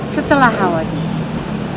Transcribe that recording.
setelah hawa dingin